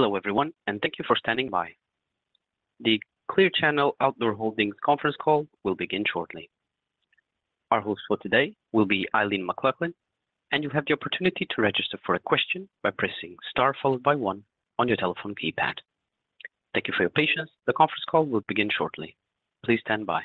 Hello, everyone, and thank you for standing by. The Clear Channel Outdoor Holdings conference call will begin shortly. Our host for today will be Eileen McLaughlin, and you have the opportunity to register for a question by pressing star followed by 1 on your telephone keypad. Thank you for your patience. The conference call will begin shortly. Please stand by.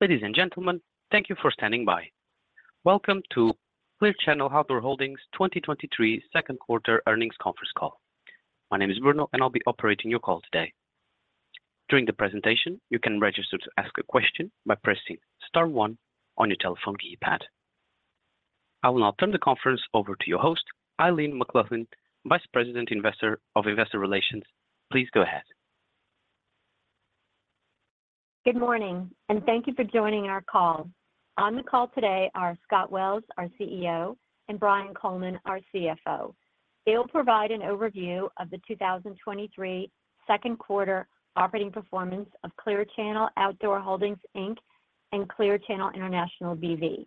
Ladies and gentlemen, thank you for standing by. Welcome to Clear Channel Outdoor Holdings 2023 2Q earnings conference call. My name is Bruno, and I'll be operating your call today. During the presentation, you can register to ask a question by pressing star 1 on your telephone keypad. I will now turn the conference over to your host, Eileen McLaughlin, Vice President, Investor, of Investor Relations. Please go ahead. Good morning, thank you for joining our call. On the call today are Scott Wells, our CEO, and Brian Coleman, our CFO. They will provide an overview of the 2023 Q2 operating performance of Clear Channel Outdoor Holdings, Inc. and Clear Channel International BV.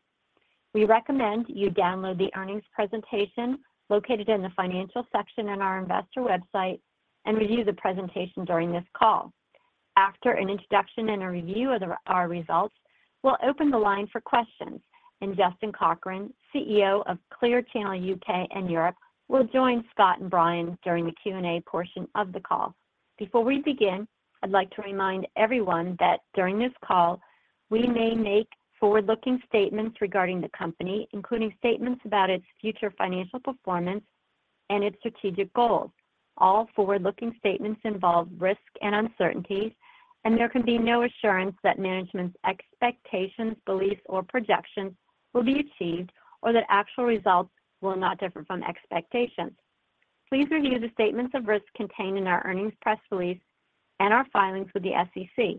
We recommend you download the earnings presentation located in the Financial section on our investor website and review the presentation during this call. After an introduction and a review of our results, we'll open the line for questions, and Justin Cochrane, CEO of Clear Channel UK and Europe, will join Scott and Brian during the Q&A portion of the call. Before we begin, I'd like to remind everyone that during this call, we may make forward-looking statements regarding the company, including statements about its future financial performance and its strategic goals. All forward-looking statements involve risk and uncertainty, there can be no assurance that management's expectations, beliefs, or projections will be achieved or that actual results will not differ from expectations. Please review the statements of risk contained in our earnings press release and our filings with the SEC.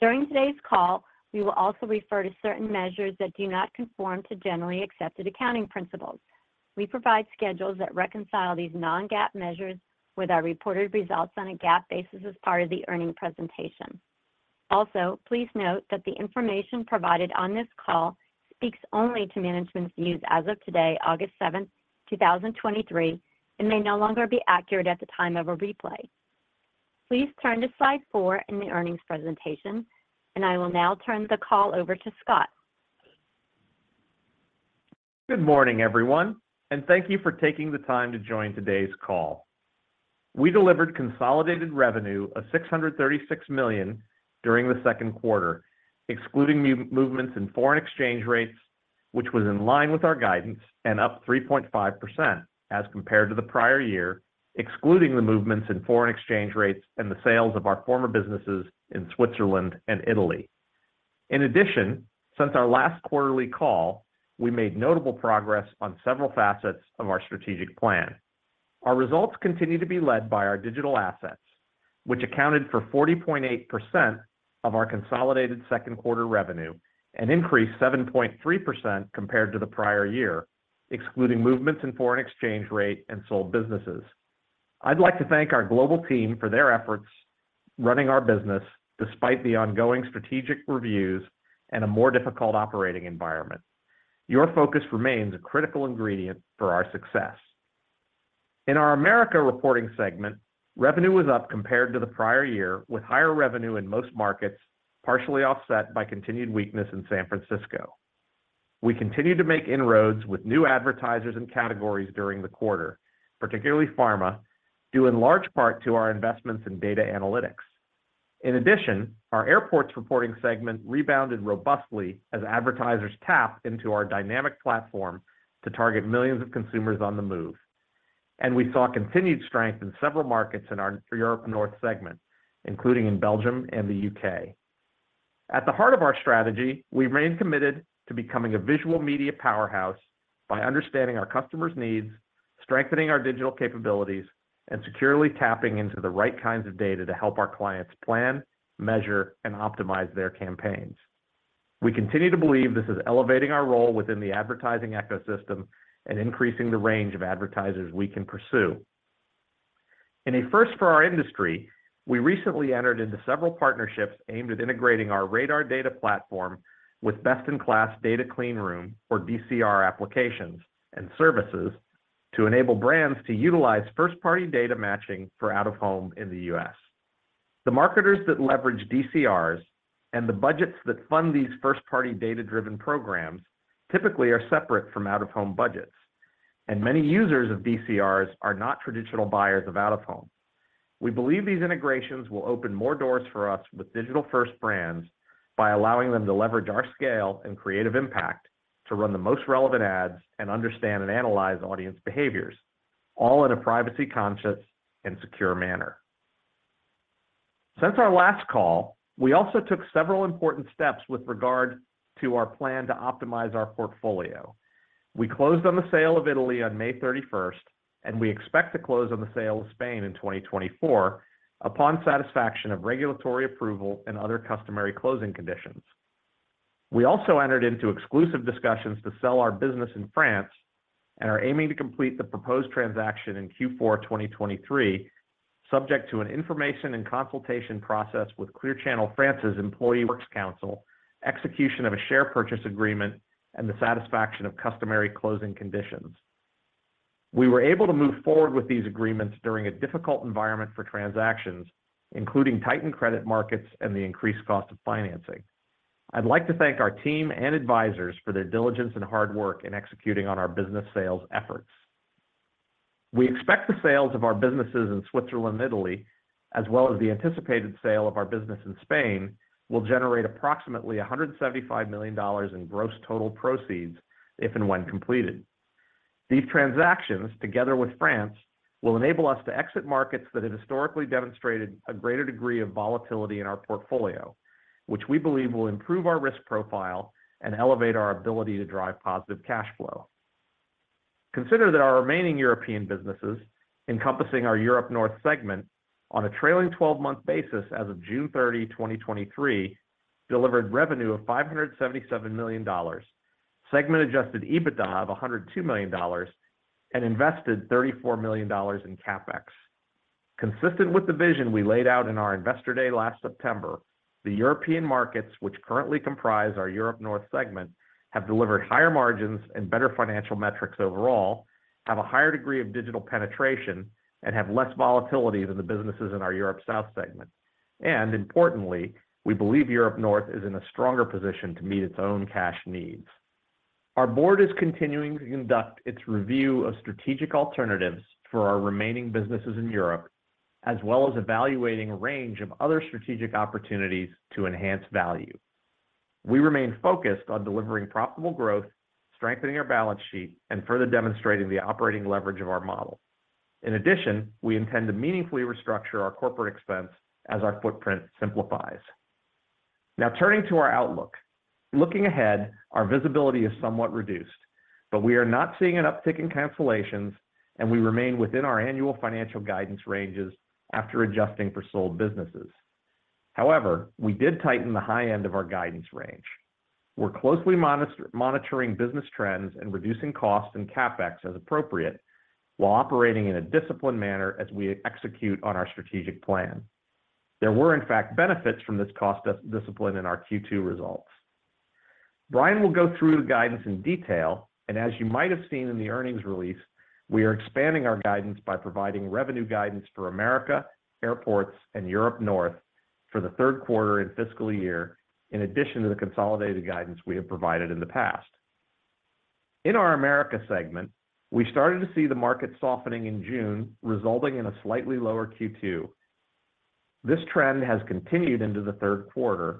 During today's call, we will also refer to certain measures that do not conform to generally accepted accounting principles. We provide schedules that reconcile these non-GAAP measures with our reported results on a GAAP basis as part of the earnings presentation. Please note that the information provided on this call speaks only to management's views as of today, August 7th, 2023, and may no longer be accurate at the time of a replay. Please turn to slide 4 in the earnings presentation, and I will now turn the call over to Scott. Good morning, everyone, and thank you for taking the time to join today's call. We delivered consolidated revenue of $636 million during the Q2, excluding movements in foreign exchange rates, which was in line with our guidance and up 3.5% as compared to the prior year, excluding the movements in foreign exchange rates and the sales of our former businesses in Switzerland and Italy. In addition, since our last quarterly call, we made notable progress on several facets of our strategic plan. Our results continue to be led by our digital assets, which accounted for 40.8% of our consolidated Q2 revenue and increased 7.3% compared to the prior year, excluding movements in foreign exchange rate and sold businesses. I'd like to thank our global team for their efforts running our business despite the ongoing strategic reviews and a more difficult operating environment. Your focus remains a critical ingredient for our success. In our America reporting segment, revenue was up compared to the prior year, with higher revenue in most markets, partially offset by continued weakness in San Francisco. We continued to make inroads with new advertisers and categories during the quarter, particularly pharma, due in large part to our investments in data analytics. In addition, our airports reporting segment rebounded robustly as advertisers tapped into our dynamic platform to target millions of consumers on the move. We saw continued strength in several markets in our Europe-North segment, including in Belgium and the U.K. At the heart of our strategy, we remain committed to becoming a visual media powerhouse by understanding our customers' needs, strengthening our digital capabilities, and securely tapping into the right kinds of data to help our clients plan, measure, and optimize their campaigns. We continue to believe this is elevating our role within the advertising ecosystem and increasing the range of advertisers we can pursue. In a first for our industry, we recently entered into several partnerships aimed at integrating our RADAR data platform with best-in-class data clean room, or DCR applications and services, to enable brands to utilize first-party data matching for out-of-home in the U.S. The marketers that leverage DCRs and the budgets that fund these first-party data-driven programs typically are separate from out-of-home budgets, and many users of DCRs are not traditional buyers of out-of-home. We believe these integrations will open more doors for us with digital-first brands by allowing them to leverage our scale and creative impact to run the most relevant ads and understand and analyze audience behaviors, all in a privacy-conscious and secure manner. Since our last call, we also took several important steps with regard to our plan to optimize our portfolio. We closed on the sale of Italy on May 31st. We expect to close on the sale of Spain in 2024, upon satisfaction of regulatory approval and other customary closing conditions. We also entered into exclusive discussions to sell our business in France. We are aiming to complete the proposed transaction in Q4 2023, subject to an information and consultation process with Clear Channel France's Employee Works Council, execution of a share purchase agreement, and the satisfaction of customary closing conditions. We were able to move forward with these agreements during a difficult environment for transactions, including tightened credit markets and the increased cost of financing. I'd like to thank our team and advisors for their diligence and hard work in executing on our business sales efforts. We expect the sales of our businesses in Switzerland, Italy, as well as the anticipated sale of our business in Spain, will generate approximately $175 million in gross total proceeds if and when completed. These transactions, together with France, will enable us to exit markets that have historically demonstrated a greater degree of volatility in our portfolio, which we believe will improve our risk profile and elevate our ability to drive positive cash flow. Consider that our remaining European businesses, encompassing our Europe-North segment, on a trailing twelve-month basis as of June 30, 2023, delivered revenue of $577 million, Segment Adjusted EBITDA of $102 million, and invested $34 million in CapEx. Consistent with the vision we laid out in our Investor Day last September, the European markets, which currently comprise our Europe-North segment, have delivered higher margins and better financial metrics overall, have a higher degree of digital penetration, and have less volatility than the businesses in our Europe-South segment. Importantly, we believe Europe-North is in a stronger position to meet its own cash needs. Our board is continuing to conduct its review of strategic alternatives for our remaining businesses in Europe, as well as evaluating a range of other strategic opportunities to enhance value. We remain focused on delivering profitable growth, strengthening our balance sheet, and further demonstrating the operating leverage of our model. In addition, we intend to meaningfully restructure our corporate expense as our footprint simplifies. Now, turning to our outlook. Looking ahead, our visibility is somewhat reduced, but we are not seeing an uptick in cancellations, and we remain within our annual financial guidance ranges after adjusting for sold businesses. We did tighten the high end of our guidance range. We're closely monitoring business trends and reducing costs and CapEx as appropriate, while operating in a disciplined manner as we execute on our strategic plan. There were, in fact, benefits from this cost discipline in our Q2 results. Brian will go through the guidance in detail, and as you might have seen in the earnings release, we are expanding our guidance by providing revenue guidance for America, airports, and Europe North for the Q3 and fiscal year, in addition to the consolidated guidance we have provided in the past. In our America segment, we started to see the market softening in June, resulting in a slightly lower Q2. This trend has continued into the Q3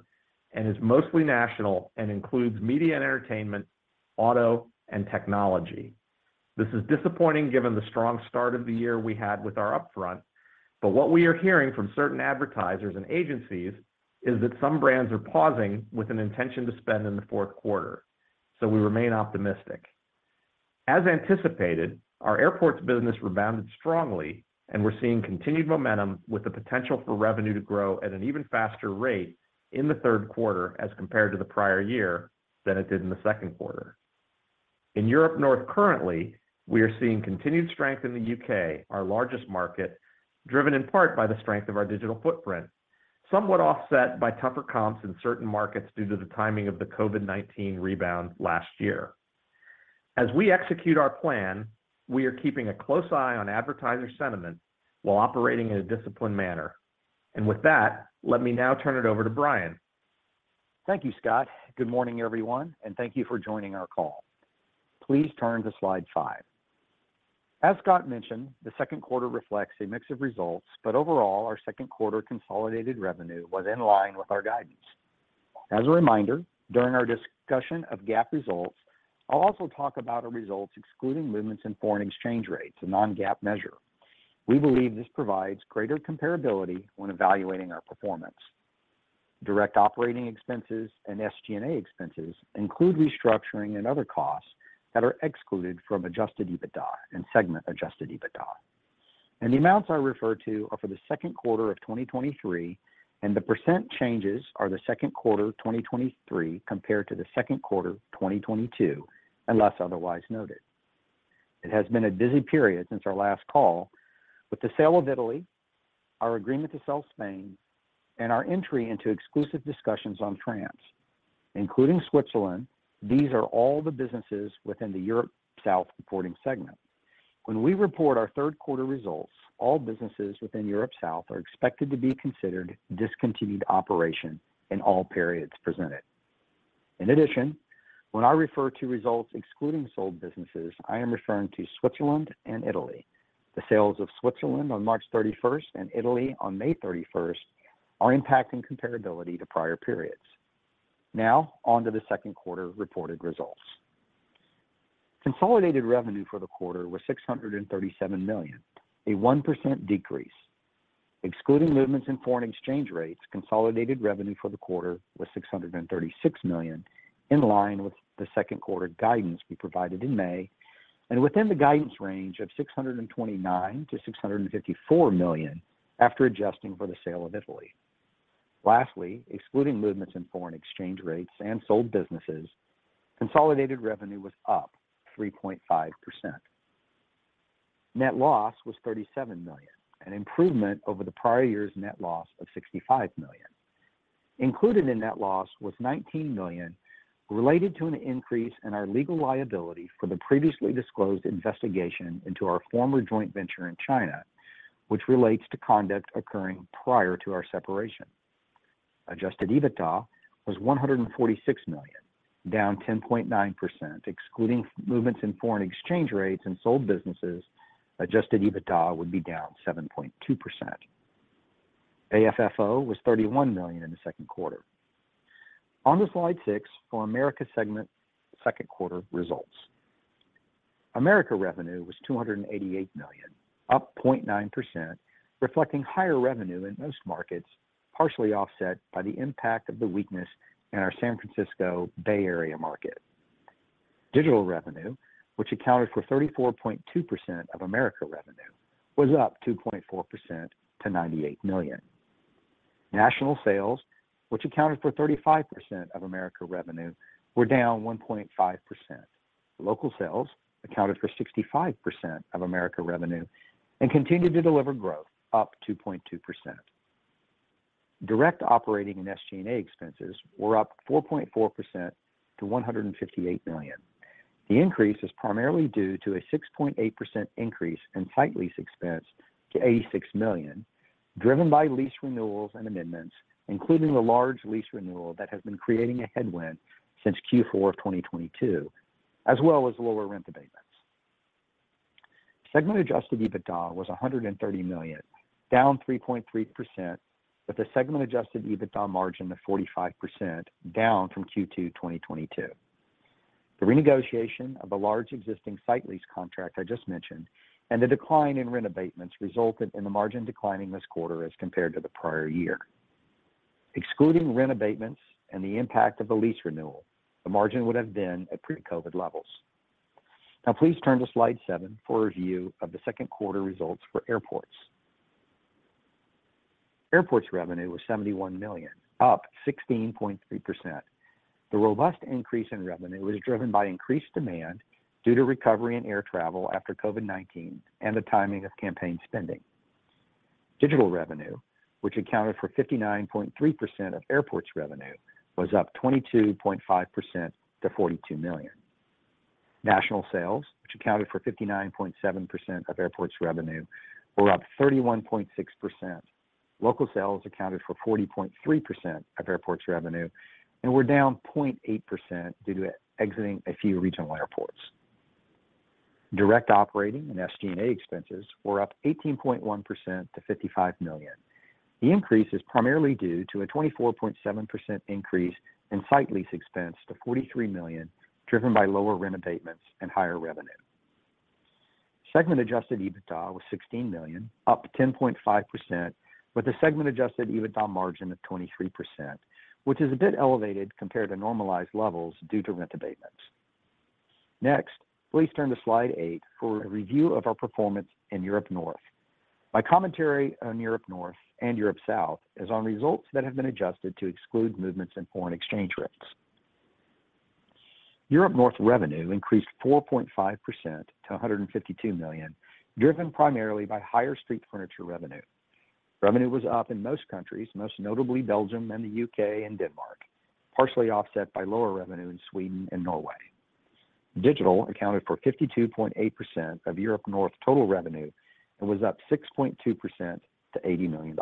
and is mostly national, and includes media and entertainment, auto, and technology. This is disappointing given the strong start of the year we had with our upfront, but what we are hearing from certain advertisers and agencies is that some brands are pausing with an intention to spend in the Q4. We remain optimistic. As anticipated, our airports business rebounded strongly, and we're seeing continued momentum with the potential for revenue to grow at an even faster rate in the Q3 as compared to the prior year than it did in the Q2. In Europe-North, currently, we are seeing continued strength in the U.K., our largest market, driven in part by the strength of our digital footprint, somewhat offset by tougher comps in certain markets due to the timing of the COVID-19 rebound last year. As we execute our plan, we are keeping a close eye on advertiser sentiment while operating in a disciplined manner. With that, let me now turn it over to Brian. Thank you, Scott. Good morning, everyone, thank you for joining our call. Please turn to slide 5. As Scott mentioned, the Q2 reflects a mix of results, overall, our Q2 consolidated revenue was in line with our guidance. As a reminder, during our discussion of GAAP results, I'll also talk about our results, excluding movements in foreign exchange rates, a non-GAAP measure. We believe this provides greater comparability when evaluating our performance. Direct operating expenses and SG&A expenses include restructuring and other costs that are excluded from Adjusted EBITDA and Segment Adjusted EBITDA. The amounts I refer to are for the Q2 of 2023, and the percent changes are the Q2 of 2023 compared to the Q2 of 2022, unless otherwise noted. It has been a busy period since our last call. With the sale of Italy, our agreement to sell Spain, and our entry into exclusive discussions on France, including Switzerland, these are all the businesses within the Europe-South reporting segment. When we report our Q3 results, all businesses within Europe-South are expected to be considered discontinued operation in all periods presented. In addition, when I refer to results excluding sold businesses, I am referring to Switzerland and Italy. The sales of Switzerland on March 31st and Italy on May 31st are impacting comparability to prior periods. Now, on to the Q2 reported results. Consolidated revenue for the quarter was $637 million, a 1% decrease. Excluding movements in foreign exchange rates, consolidated revenue for the quarter was $636 million, in line with the Q2 guidance we provided in May, and within the guidance range of $629 million to 654 million after adjusting for the sale of Italy. Lastly, excluding movements in foreign exchange rates and sold businesses, consolidated revenue was up 3.5%. Net loss was $37 million, an improvement over the prior year's net loss of $65 million. Included in net loss was $19 million related to an increase in our legal liability for the previously disclosed investigation into our former joint venture in China, which relates to conduct occurring prior to our separation. Adjusted EBITDA was $146 million, down 10.9%. Excluding movements in foreign exchange rates and sold businesses, Adjusted EBITDA would be down 7.2%. AFFO was $31 million in the Q2. On to slide 6 for America segment Q2 results. America revenue was $288 million, up 0.9%, reflecting higher revenue in most markets, partially offset by the impact of the weakness in our San Francisco Bay Area market. Digital revenue, which accounted for 34.2% of America revenue, was up 2.4% to $98 million. National sales, which accounted for 35% of America revenue, were down 1.5%. Local sales accounted for 65% of America revenue and continued to deliver growth, up 2.2%. Direct operating and SG&A expenses were up 4.4% to $158 million. The increase is primarily due to a 6.8% increase in site lease expense to $86 million, driven by lease renewals and amendments, including a large lease renewal that has been creating a headwind since Q4 of 2022, as well as lower rent abatements. Segment Adjusted EBITDA was $130 million, down 3.3%, with a Segment Adjusted EBITDA margin of 45%, down from Q2 2022. The renegotiation of a large existing site lease contract I just mentioned and the decline in rent abatements resulted in the margin declining this quarter as compared to the prior year. Excluding rent abatements and the impact of the lease renewal, the margin would have been at pre-COVID levels. Now, please turn to slide seven for a review of the Q2 results for Airports. Airports revenue was $71 million, up 16.3%. The robust increase in revenue was driven by increased demand due to recovery in air travel after COVID-19 and the timing of campaign spending. Digital revenue, which accounted for 59.3% of Airports revenue, was up 22.5% to $42 million. National sales, which accounted for 59.7% of Airports revenue, were up 31.6%. Local sales accounted for 40.3% of Airports revenue and were down 0.8% due to exiting a few regional airports. Direct operating and SG&A expenses were up 18.1% to $55 million. The increase is primarily due to a 24.7% increase in site lease expense to $43 million, driven by lower rent abatements and higher revenue. Segment Adjusted EBITDA was $16 million, up 10.5%, with a Segment Adjusted EBITDA margin of 23%, which is a bit elevated compared to normalized levels due to rent abatements. Next, please turn to slide 8 for a review of our performance in Europe-North. My commentary on Europe-North and Europe-South is on results that have been adjusted to exclude movements in foreign exchange rates. Europe-North revenue increased 4.5% to $152 million, driven primarily by higher street furniture revenue. Revenue was up in most countries, most notably Belgium and the U.K. and Denmark, partially offset by lower revenue in Sweden and Norway. Digital accounted for 52.8% of Europe-North total revenue and was up 6.2% to $80 million.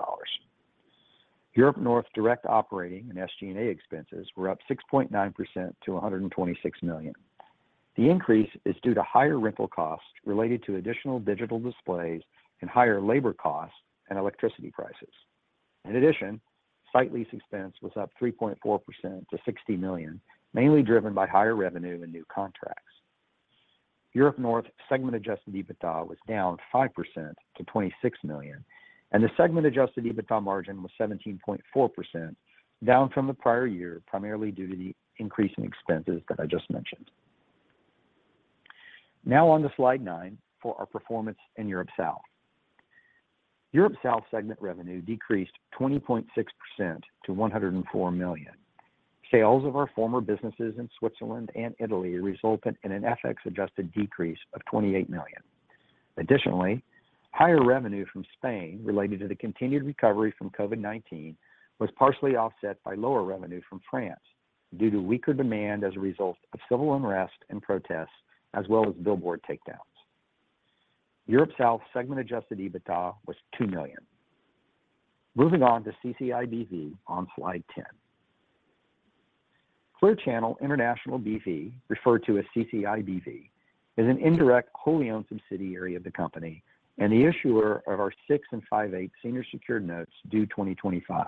Europe North direct operating and SG&A expenses were up 6.9% to $126 million. The increase is due to higher rental costs related to additional digital displays and higher labor costs and electricity prices. In addition, site lease expense was up 3.4% to $60 million, mainly driven by higher revenue and new contracts. Europe North Segment Adjusted EBITDA was down 5% to $26 million. The Segment Adjusted EBITDA margin was 17.4%, down from the prior year, primarily due to the increase in expenses that I just mentioned. Now on to slide 9 for our performance in Europe South. Europe South segment revenue decreased 20.6% to $104 million. Sales of our former businesses in Switzerland and Italy resulted in an FX-adjusted decrease of $28 million. Additionally, higher revenue from Spain related to the continued recovery from COVID-19, was partially offset by lower revenue from France due to weaker demand as a result of civil unrest and protests, as well as billboard takedowns. Europe-South Segment Adjusted EBITDA was $2 million. Moving on to CCIBV on slide 10. Clear Channel International B.V., referred to as CCIBV, is an indirect, wholly-owned subsidiary of the company and the issuer of our 6.625% Senior Secured Notes due 2025.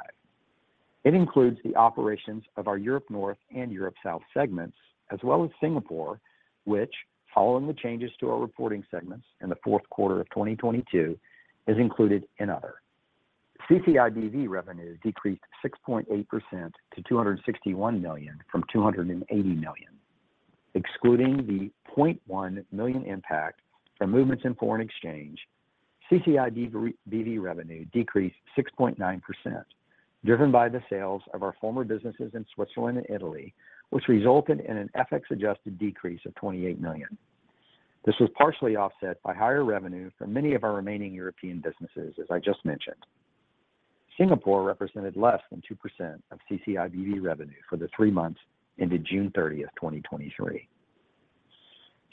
It includes the operations of our Europe-North and Europe-South segments, as well as Singapore, which, following the changes to our reporting segments in the Q4 of 2022, is included in other. CCIBV revenue decreased 6.8% to $261 million from $280 million. Excluding the $0.1 million impact from movements in foreign exchange, CCIBV revenue decreased 6.9%, driven by the sales of our former businesses in Switzerland and Italy, which resulted in an FX-adjusted decrease of $28 million. This was partially offset by higher revenue from many of our remaining European businesses, as I just mentioned. Singapore represented less than 2% of CCIBV revenue for the three months ended June 30, 2023.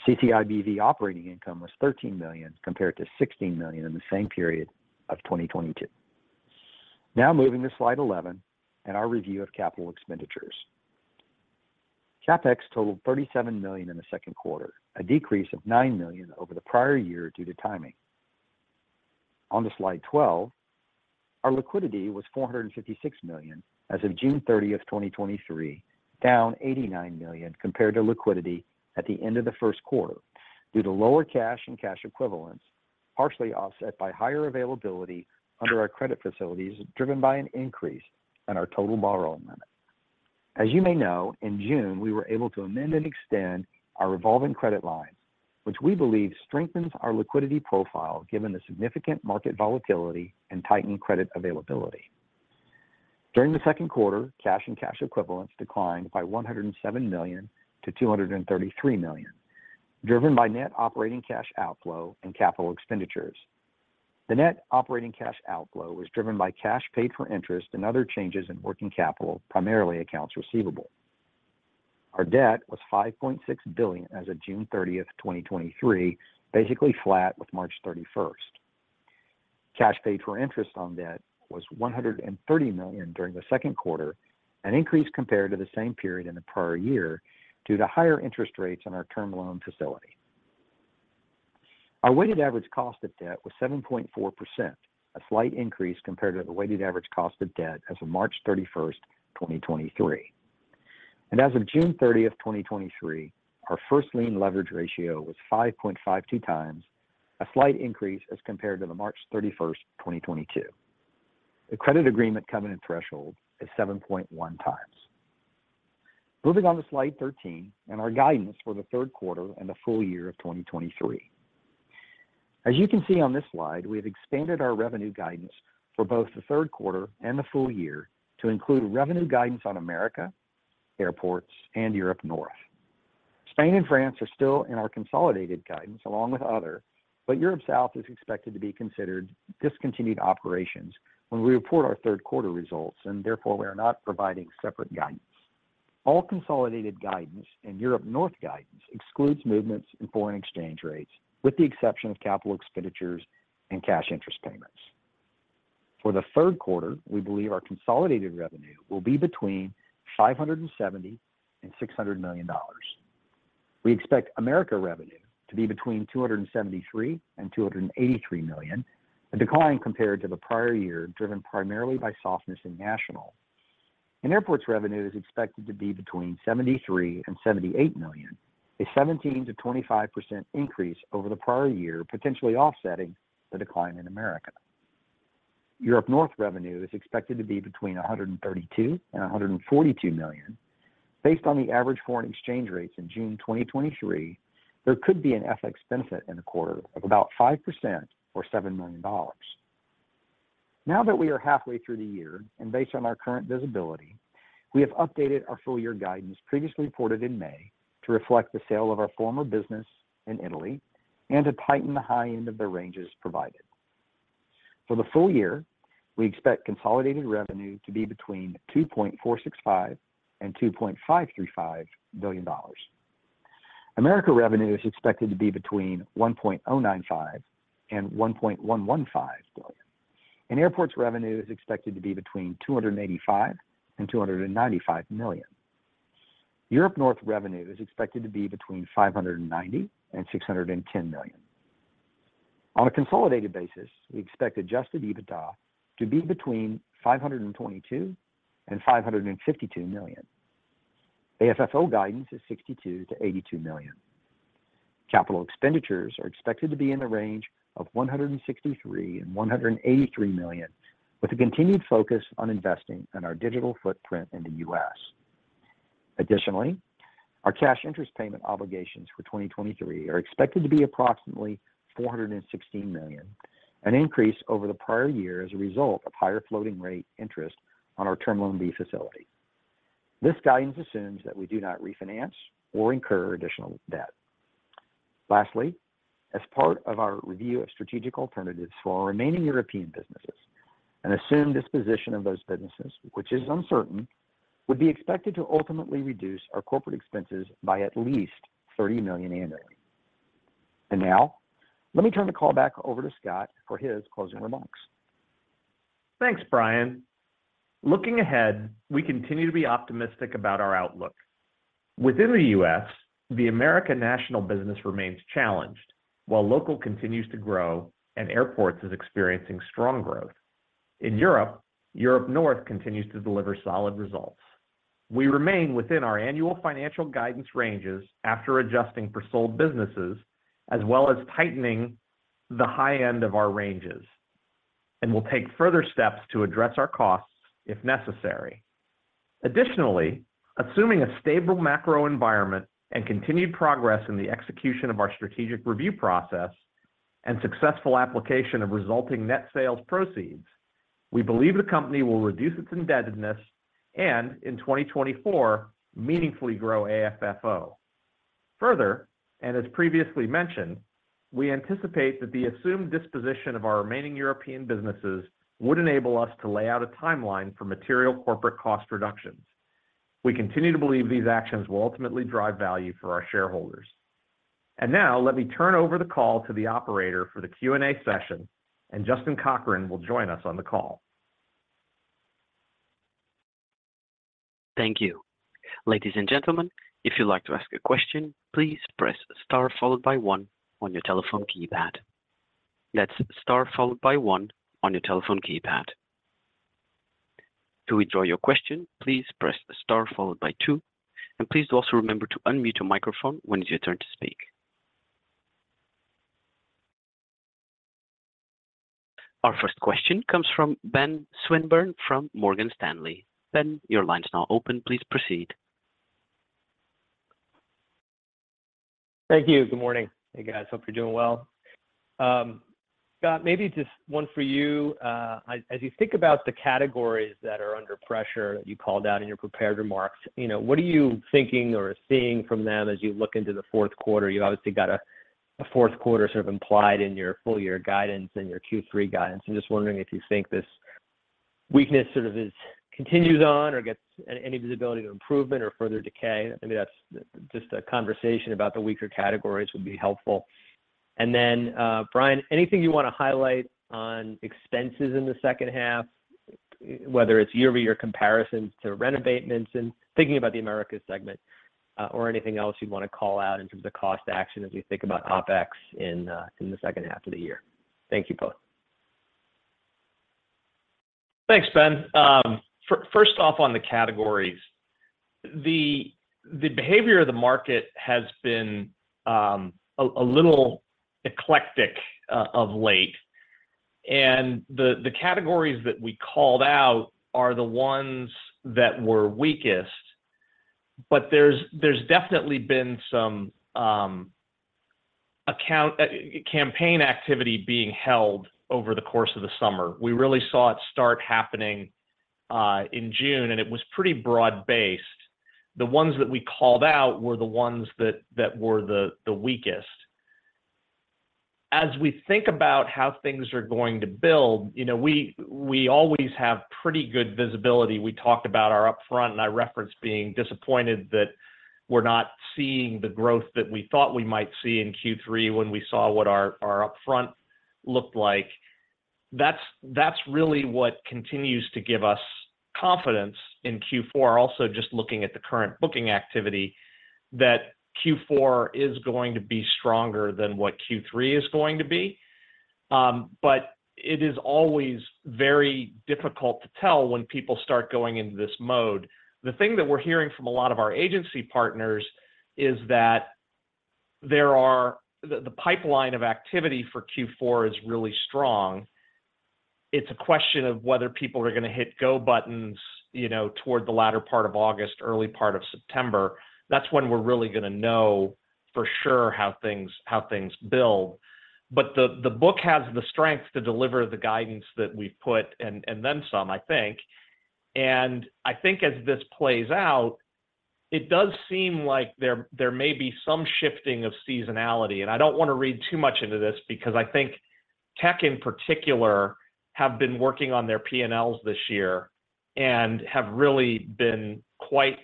CCIBV operating income was $13 million, compared to $16 million in the same period of 2022. Now moving to slide 11 and our review of capital expenditures. CapEx totaled $37 million in the Q2, a decrease of $9 million over the prior year due to timing. On to slide 12. Our liquidity was $456 million as of June 30, 2023, down $89 million compared to liquidity at the end of the Q1, due to lower cash and cash equivalents, partially offset by higher availability under our credit facilities, driven by an increase in our total borrowing limit. As you may know, in June, we were able to amend and extend our revolving credit line, which we believe strengthens our liquidity profile, given the significant market volatility and tightening credit availability. During the Q2, cash and cash equivalents declined by $107 million to $233 million, driven by net operating cash outflow and capital expenditures. The net operating cash outflow was driven by cash paid for interest and other changes in working capital, primarily accounts receivable. Our debt was $5.6 billion as of June 30th, 2023, basically flat with March 31st. Cash paid for interest on debt was $130 million during the Q2, an increase compared to the same period in the prior year, due to higher interest rates on our term loan facility. Our weighted average cost of debt was 7.4%, a slight increase compared to the weighted average cost of debt as of March 31st, 2023. As of June 30th, 2023, our first-lien leverage ratio was 5.52x, a slight increase as compared to the March 31st, 2022. The credit agreement covenant threshold is 7.1x. Moving on to slide 13, and our guidance for the Q3 and the full year of 2023. As you can see on this slide, we have expanded our revenue guidance for both the Q3 and the full year to include revenue guidance on America, airports, and Europe-North. Spain and France are still in our consolidated guidance, along with other, but Europe-South is expected to be considered discontinued operation when we report our Q3 results, and therefore we are not providing separate guidance. All consolidated guidance and Europe-North guidance excludes movements in foreign exchange rates, with the exception of capital expenditures and cash interest payments. For the Q3, we believe our consolidated revenue will be between $570 million and $600 million. We expect America revenue to be between $273 million and $283 million, a decline compared to the prior year, driven primarily by softness in national. Airports revenue is expected to be between $73 million and $78 million, a 17 to 25% increase over the prior year, potentially offsetting the decline in America. Europe-North revenue is expected to be between $132 million and $142 million. Based on the average foreign exchange rates in June 2023, there could be an FX benefit in the quarter of about 5% or $7 million. Now that we are halfway through the year, and based on our current visibility, we have updated our full year guidance previously reported in May to reflect the sale of our former business in Italy and to tighten the high end of the ranges provided. For the full year, we expect consolidated revenue to be between $2.465 billion and $2.535 billion.... America revenue is expected to be between $1.095 billion and $1.115 billion, and Airports revenue is expected to be between $285 million and $295 million. Europe-North revenue is expected to be between $590 million and $610 million. On a consolidated basis, we expect Adjusted EBITDA to be between $522 million and $552 million. AFFO guidance is $62 million to 82 million. Capital expenditures are expected to be in the range of $163 million and $183 million, with a continued focus on investing in our digital footprint in the U.S. Additionally, our cash interest payment obligations for 2023 are expected to be approximately $416 million, an increase over the prior year as a result of higher floating rate interest on our Term Loan B facility. This guidance assumes that we do not refinance or incur additional debt. Lastly, as part of our review of strategic alternatives for our remaining European businesses, an assumed disposition of those businesses, which is uncertain, would be expected to ultimately reduce our corporate expenses by at least $30 million annually. Now, let me turn the call back over to Scott for his closing remarks. Thanks, Brian. Looking ahead, we continue to be optimistic about our outlook. Within the U.S., the American national business remains challenged, while local continues to grow and airports is experiencing strong growth. In Europe, Europe-North continues to deliver solid results. We remain within our annual financial guidance ranges after adjusting for sold businesses, as well as tightening the high end of our ranges, and will take further steps to address our costs if necessary. Additionally, assuming a stable macro environment and continued progress in the execution of our strategic review process and successful application of resulting net sales proceeds, we believe the company will reduce its indebtedness and, in 2024, meaningfully grow AFFO. Further, and as previously mentioned, we anticipate that the assumed disposition of our remaining European businesses would enable us to lay out a timeline for material corporate cost reductions. We continue to believe these actions will ultimately drive value for our shareholders. Now, let me turn over the call to the operator for the Q&A session, and Justin Cochrane will join us on the call. Thank you. Ladies and gentlemen, if you'd like to ask a question, please press Star followed by one on your telephone keypad. That's Star followed by one on your telephone keypad. To withdraw your question, please press Star followed by two, and please also remember to unmute your microphone when it's your turn to speak. Our first question comes from Ben Swinburne from Morgan Stanley. Ben, your line is now open. Please proceed. Thank you. Good morning. Hey, guys, hope you're doing well. Scott, maybe just one for you. As, as you think about the categories that are under pressure that you called out in your prepared remarks, you know, what are you thinking or seeing from them as you look into the Q4? You've obviously got a, a Q4 sort of implied in your full year guidance and your Q3 guidance. I'm just wondering if you think this weakness sort of continues on or gets any visibility to improvement or further decay. I mean, that's just a conversation about the weaker categories would be helpful. Brian, anything you want to highlight on expenses in the second half, whether it's year-over-year comparisons to rent abatements and thinking about the Americas segment, or anything else you'd want to call out in terms of cost action as we think about OpEx in the second half of the year? Thank you both. Thanks, Ben. First off, on the categories, the behavior of the market has been a little eclectic of late, and the categories that we called out are the ones that were weakest. But there's, there's definitely been some account campaign activity being held over the course of the summer. We really saw it start happening in June, and it was pretty broad-based. The ones that we called out were the ones that, that were the, the weakest. As we think about how things are going to build, you know, we, we always have pretty good visibility. We talked about our upfront, and I referenced being disappointed that we're not seeing the growth that we thought we might see in Q3 when we saw what our, our upfront looked like. That's, that's really what continues to give us confidence in Q4. Just looking at the current booking activity, that Q4 is going to be stronger than what Q3 is going to be. It is always very difficult to tell when people start going into this mode. The thing that we're hearing from a lot of our agency partners is that the pipeline of activity for Q4 is really strong. It's a question of whether people are going to hit go buttons, you know, toward the latter part of August, early part of September. That's when we're really gonna know for sure how things, how things build. The book has the strength to deliver the guidance that we've put and then some, I think. I think as this plays out, it does seem like there may be some shifting of seasonality. I don't want to read too much into this because I think tech in particular, have been working on their P&Ls this year and have really been quite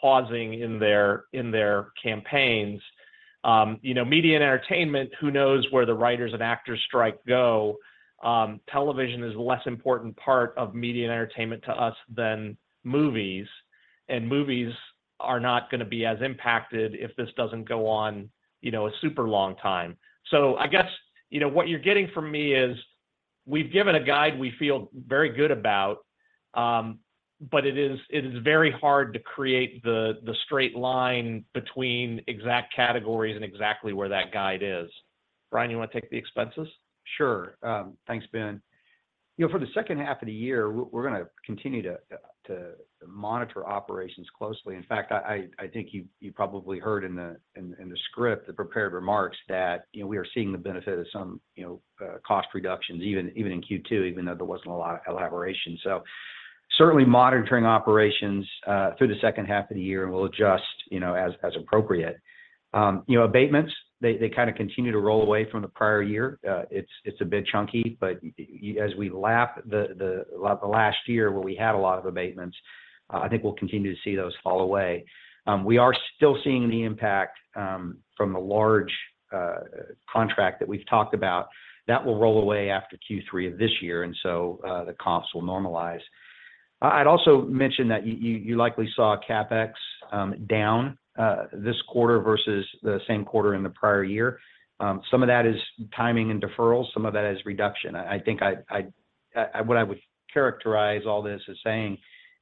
pausing in their, in their campaigns. You know, media and entertainment, who knows where the writers and actors strike go? Television is a less important part of media and entertainment to us than movies, and movies are not going to be as impacted if this doesn't go on, you know, a super long time. I guess, you know, what you're getting from me is, we've given a guide we feel very good about, but it is, it is very hard to create the, the straight line between exact categories and exactly where that guide is. Brian, you want to take the expenses? Sure. Thanks, Ben. You know, for the second half of the year, we're, we're gonna continue to monitor operations closely. In fact, I, I think you, you probably heard in the script, the prepared remarks, that, you know, we are seeing the benefit of some, you know, cost reductions, even, even in Q2, even though there wasn't a lot of elaboration. Certainly monitoring operations through the second half of the year, and we'll adjust, you know, as, as appropriate. You know, abatements, they, they kind of continue to roll away from the prior year. It's, it's a bit chunky, but as we lap the last year where we had a lot of abatements, I think we'll continue to see those fall away. We are still seeing the impact from the large contract that we've talked about. That will roll away after Q3 of this year. The comps will normalize. I'd also mention that you likely saw CapEx down this quarter versus the same quarter in the prior year. Some of that is timing and deferral. Some of that is reduction. I think what I would characterize all this as saying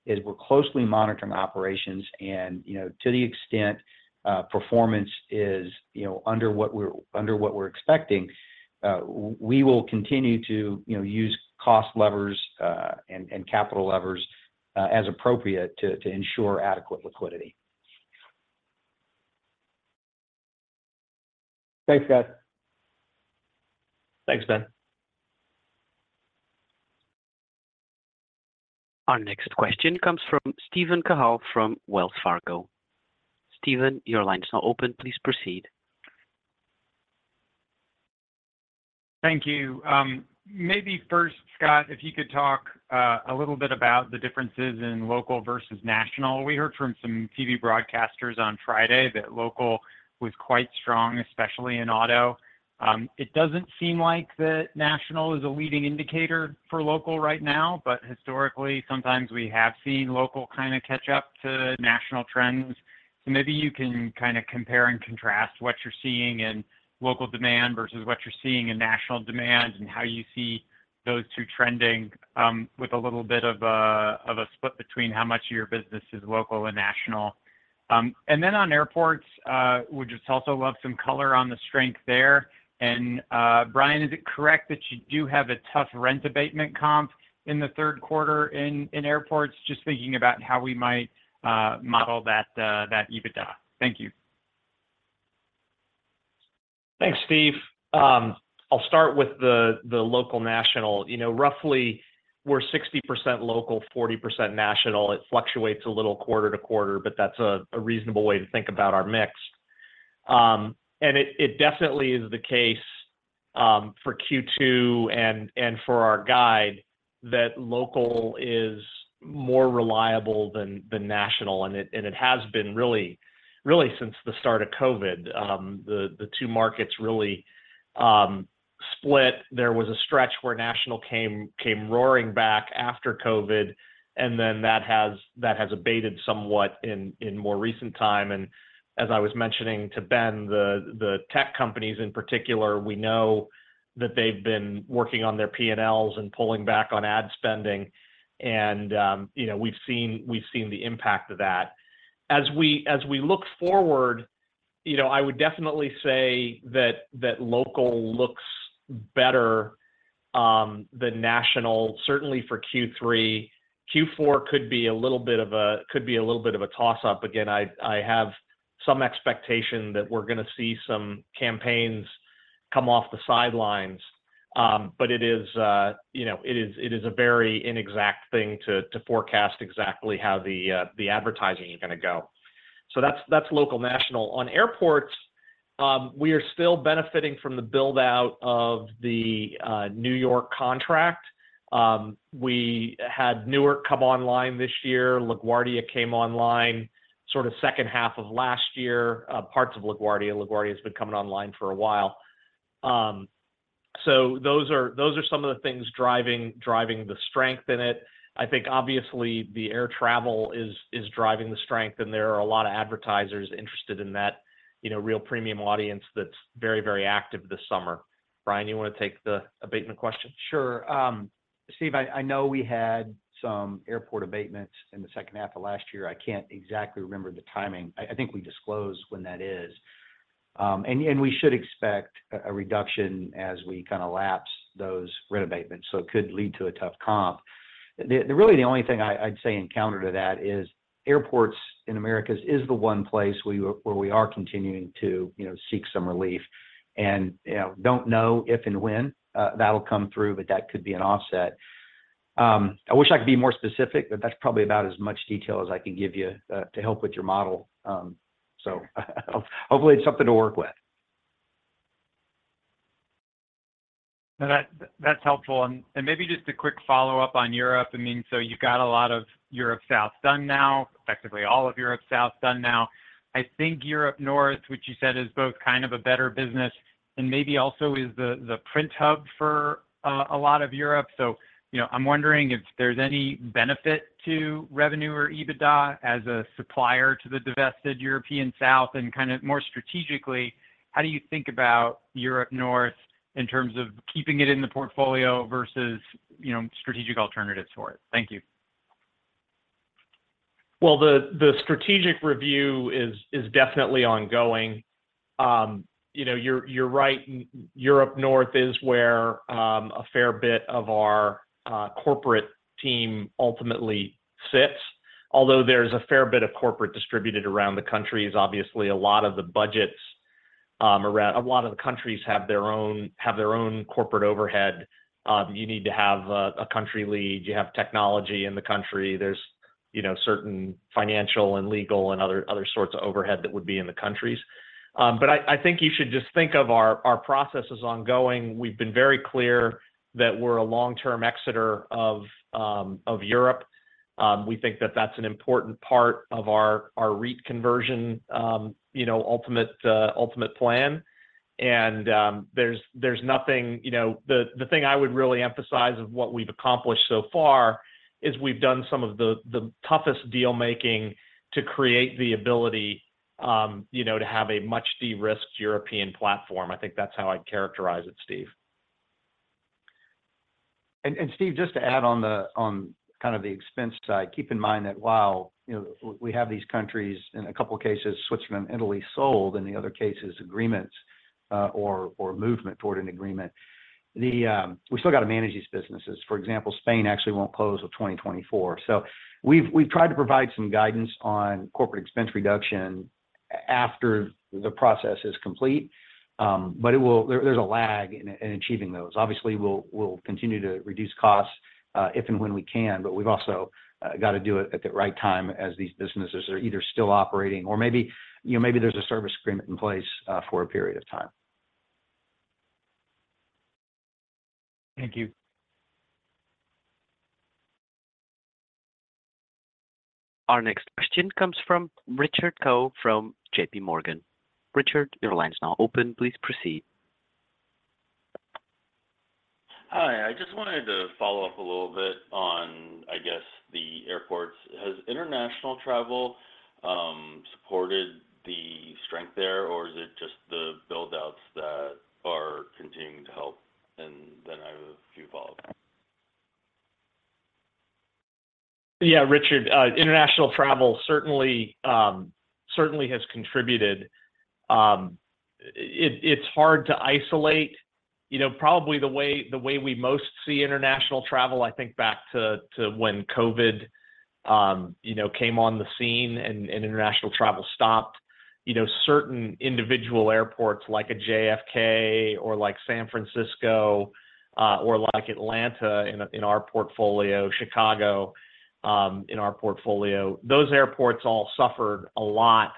is we're closely monitoring operations and, you know, to the extent performance is, you know, under what we're, under what we're expecting, we will continue to, you know, use cost levers and, and capital levers as appropriate to, to ensure adequate liquidity. Thanks, guys. Thanks, Ben. Our next question comes from Steven Cahall from Wells Fargo. Stephen, your line is now open. Please proceed. Thank you. Maybe first, Scott, if you could talk a little bit about the differences in local versus national. We heard from some TV broadcasters on Friday that local was quite strong, especially in auto. It doesn't seem like the national is a leading indicator for local right now, but historically, sometimes we have seen local kind of catch up to national trends. Maybe you can kind of compare and contrast what you're seeing in local demand versus what you're seeing in national demand, and how you see those two trending, with a little bit of a split between how much of your business is local and national. Then on airports, would you also love some color on the strength there? Brian, is it correct that you do have a tough rent abatement comp in the Q3 in, in airports? Just thinking about how we might model that that EBITDA. Thank you. Thanks, Steve. I'll start with the, the local, national. You know, roughly, we're 60% local, 40% national. It fluctuates a little quarter-to-quarter, but that's a, a reasonable way to think about our mix. It, it definitely is the case, for Q2 and, and for our guide, that local is more reliable than, than national, and it has been really, really since the start of COVID, the, the two markets really, split. There was a stretch where national came, came roaring back after COVID, and then that has, that has abated somewhat in, in more recent time. As I was mentioning to Ben, the, the tech companies in particular, we know that they've been working on their P&Ls and pulling back on ad spending and, you know, we've seen, we've seen the impact of that. As we, as we look forward, you know, I would definitely say that, that local looks better than national, certainly for Q3. Q4 could be a little bit of a, could be a little bit of a toss-up. Again, I, I have some expectation that we're going to see some campaigns come off the sidelines, but it is, you know, it is, it is a very inexact thing to, to forecast exactly how the advertising is going to go. That's, that's local, national. On airports, we are still benefiting from the build-out of the New York contract. We had Newark come online this year. LaGuardia came online sort of second half of last year. Parts of LaGuardia. LaGuardia has been coming online for a while. Those are, those are some of the things driving, driving the strength in it. I think obviously the air travel is, is driving the strength, and there are a lot of advertisers interested in that, you know, real premium audience that's very, very active this summer. Brian, you want to take the abatement question? Sure. Steve, I, I know we had some airport abatements in the second half of last year. I can't exactly remember the timing. I, I think we disclosed when that is. We should expect a, a reduction as we kind of lapse those rent abatements, so it could lead to a tough comp. Really, the only thing I, I'd say in counter to that is, airports in America is the one place where we, where we are continuing to, you know, seek some relief and, you know, don't know if and when that'll come through, but that could be an offset. I wish I could be more specific, but that's probably about as much detail as I can give you to help with your model. Hopefully, it's something to work with. No, that, that's helpful. And maybe just a quick follow-up on Europe. I mean, so you got a lot of Europe-South done now, effectively all of Europe-South done now. I think Europe-North, which you said is both kind of a better business and maybe also is the, the print hub for a lot of Europe. You know, I'm wondering if there's any benefit to revenue or EBITDA as a supplier to the divested European South. Kind of more strategically, how do you think about Europe-North in terms of keeping it in the portfolio versus, you know, strategic alternatives for it? Thank you. Well, the, the strategic review is, is definitely ongoing. You know, you're, you're right. Europe North is where a fair bit of our corporate team ultimately sits. Although there's a fair bit of corporate distributed around the countries. Obviously, a lot of the budgets, around, a lot of the countries have their own, have their own corporate overhead. You need to have a, a country lead, you have technology in the country. There's, you know, certain financial and legal and other, other sorts of overhead that would be in the countries. I, I think you should just think of our, our process as ongoing. We've been very clear that we're a long-term exiter of Europe. We think that that's an important part of our, our REIT conversion, you know, ultimate, ultimate plan. There's, there's nothing... You know, the, the thing I would really emphasize of what we've accomplished so far, is we've done some of the, the toughest deal making to create the ability, you know, to have a much de-risked European platform. I think that's how I'd characterize it, Steve. Steve, just to add on the, on kind of the expense side. Keep in mind that while, you know, we have these countries, in a couple of cases, Switzerland, Italy, sold, in the other cases, agreements, or, or movement toward an agreement. We still got to manage these businesses. For example, Spain actually won't close till 2024. We've, we've tried to provide some guidance on corporate expense reduction after the process is complete. there's a lag in, in achieving those. Obviously, we'll, we'll continue to reduce costs, if and when we can, but we've also, got to do it at the right time as these businesses are either still operating or maybe, you know, maybe there's a service agreement in place, for a period of time. Thank you. Our next question comes from Richard Ko, from J.P. Morgan. Richard, your line is now open. Please proceed. Hi, I just wanted to follow up a little bit on, I guess, the airports. Has international travel supported the strength there, or is it just the buildouts that are continuing to help? I have a few follow-up. Yeah, Richard, international travel certainly, certainly has contributed. It, it's hard to isolate. You know, probably the way, the way we most see international travel, I think back to, to when COVID-19, you know, came on the scene and, and international travel stopped. You know, certain individual airports, like a JFK or like San Francisco, or like Atlanta in, in our portfolio, Chicago, in our portfolio, those airports all suffered a lot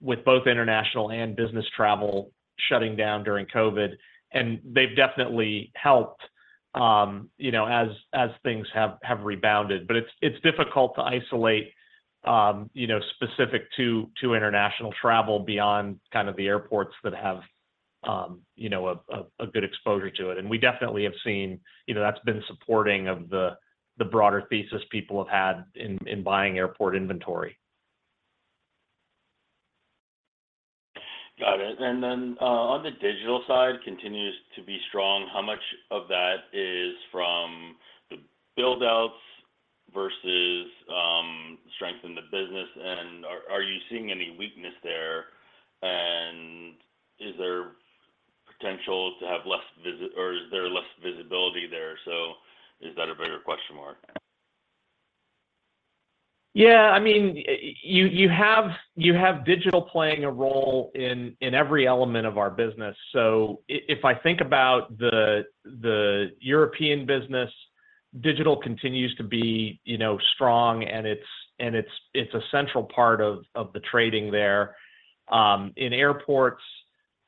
with both international and business travel shutting down during COVID-19, and they've definitely helped, you know, as, as things have, have rebounded. But it's, it's difficult to isolate, you know, specific to, to international travel beyond kind of the airports that have, you know, a, a, a good exposure to it. And we definitely have seen... You know, that's been supporting of the, the broader thesis people have had in, in buying airport inventory. Got it. Then, on the digital side, continues to be strong. How much of that is from the buildouts versus strength in the business, and are, are you seeing any weakness there? Is there potential to have less visit- or is there less visibility there? Is that a better question mark? Yeah, I mean, you have, you have digital playing a role in, in every element of our business. If I think about the, the European business, digital continues to be, you know, strong, and it's, and it's, it's a central part of, of the trading there. In airports,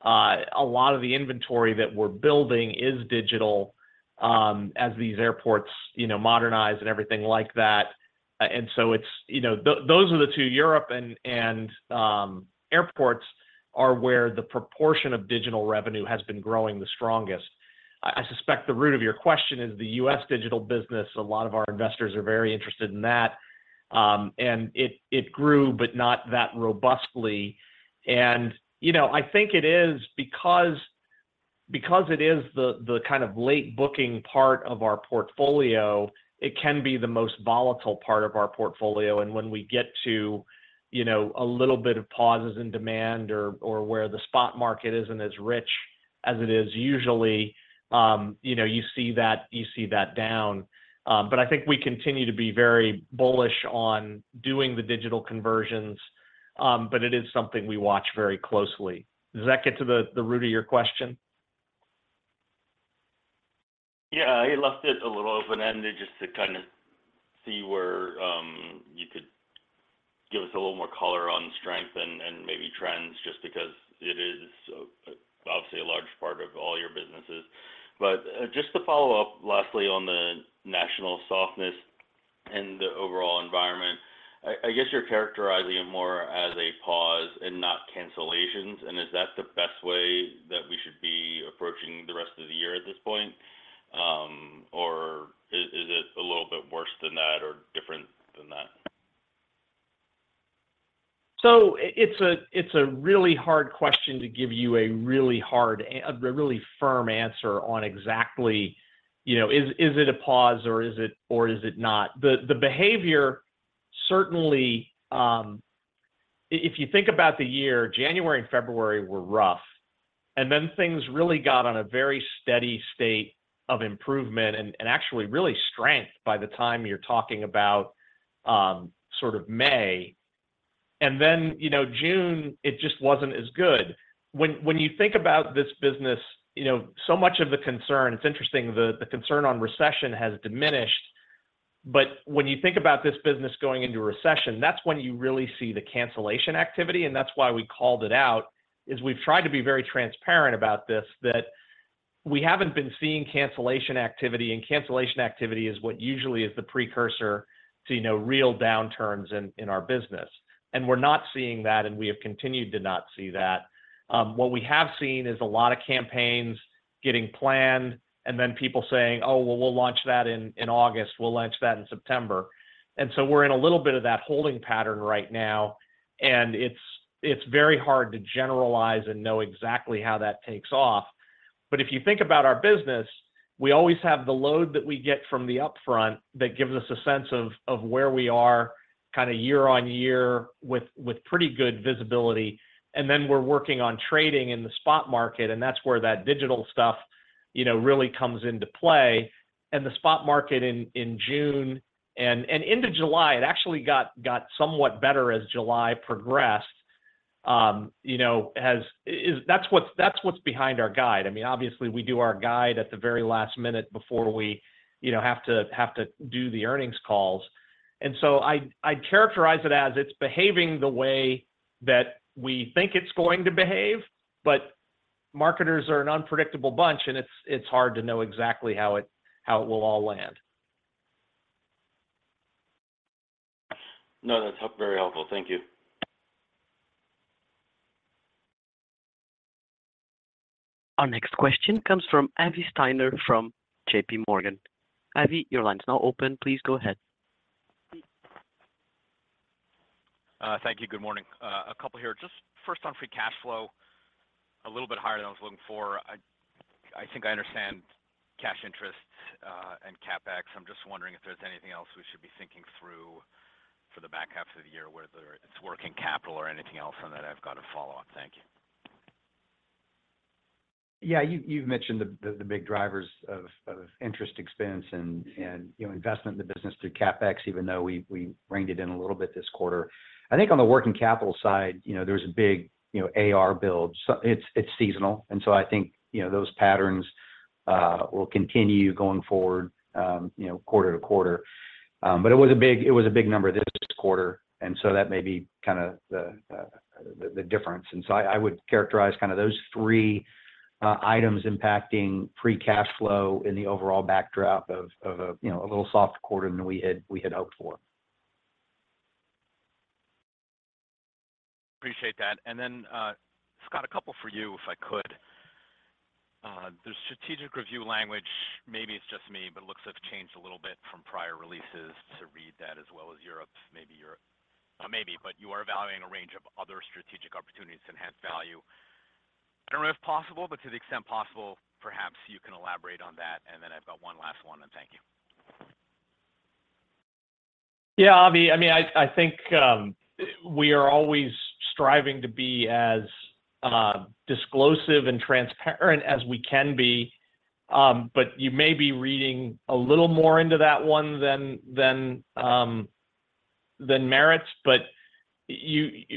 a lot of the inventory that we're building is digital, as these airports, you know, modernize and everything like that. So it's, you know, those are the two, Europe and, and airports are where the proportion of digital revenue has been growing the strongest. I, I suspect the root of your question is the U.S. digital business. A lot of our investors are very interested in that. It, it grew, but not that robustly. You know, I think it is because, because it is the, the kind of late booking part of our portfolio, it can be the most volatile part of our portfolio. When we get to, you know, a little bit of pauses in demand or, or where the spot market isn't as rich as it is usually, you know, you see that, you see that down. I think we continue to be very bullish on doing the digital conversions. It is something we watch very closely. Does that get to the, the root of your question? Yeah, I left it a little open-ended just to kind of see where, you could give us a little more color on strength and, and maybe trends, just because it is, obviously a large part of all your businesses. Just to follow up lastly on the national softness and the overall environment, I, I guess you're characterizing it more as a pause and not cancellations. Is that the best way that we should be approaching the rest of the year at this point? Is, is it a little bit worse than that or different than that? It's a, it's a really hard question to give you a really hard a really firm answer on exactly, you know, is, is it a pause or is it, or is it not? The behavior certainly. If you think about the year, January and February were rough, and then things really got on a very steady state of improvement and actually really strength by the time you're talking about sort of May. You know, June, it just wasn't as good. When you think about this business, you know, so much of the concern, it's interesting, the, the concern on recession has diminished. When you think about this business going into a recession, that's when you really see the cancellation activity, and that's why we called it out, is we've tried to be very transparent about this, that we haven't been seeing cancellation activity, and cancellation activity is what usually is the precursor to, you know, real downturns in our business. We're not seeing that, and we have continued to not see that. What we have seen is a lot of campaigns getting planned, and then people saying: "Oh, well, we'll launch that in August. We'll launch that in September." We're in a little bit of that holding pattern right now, and it's very hard to generalize and know exactly how that takes off. If you think about our business, we always have the load that we get from the upfront that gives us a sense of, of where we are kind of year-on-year with, with pretty good visibility. Then we're working on trading in the spot market, and that's where that digital stuff, you know, really comes into play. The spot market in, in June and, and into July, it actually got, got somewhat better as July progressed. You know, that's what, that's what's behind our guide. I mean, obviously, we do our guide at the very last minute before we, you know, have to, have to do the earnings calls. I, I'd characterize it as it's behaving the way that we think it's going to behave, but marketers are an unpredictable bunch, and it's, it's hard to know exactly how it, how it will all land. No, that's very helpful. Thank you. Our next question comes from Avi Steiner from JP Morgan. Avi, your line is now open. Please go ahead. Thank you. Good morning. A couple here. Just first on free cash flow, a little bit higher than I was looking for. I think I understand cash interest, and CapEx. I'm just wondering if there's anything else we should be thinking through for the back half of the year, whether it's working capital or anything else. And then I've got a follow-up. Thank you. Yeah, you, you've mentioned the, the, the big drivers of, of interest expense and, and, you know, investment in the business through CapEx, even though we, we reined it in a little bit this quarter. I think on the working capital side, you know, there's a big, you know, AR build. It's, it's seasonal, and so I think, you know, those patterns will continue going forward, you know, quarter-to-quarter. It was a big, it was a big number this quarter, and so that may be kind of the, the, the difference. I, I would characterize kind of those three items impacting free cash flow in the overall backdrop of, of a, you know, a little soft quarter than we had, we had hoped for. Appreciate that. Scott, a couple for you, if I could. The strategic review language, maybe it's just me, but it looks like it's changed a little bit from prior releases to read that as well as Europe, maybe Europe. Maybe, you are evaluating a range of other strategic opportunities to enhance value. I don't know if possible, but to the extent possible, perhaps you can elaborate on that. I've got one last one, and thank you. Yeah, Avi, I mean, I, I think we are always striving to be as disclosive and transparent as we can be. You may be reading a little more into that one than, than, than merits.